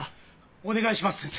お願いします先生！